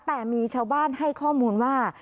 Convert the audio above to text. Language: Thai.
แต่มีชาวบ้านให้ข้อมูลว่า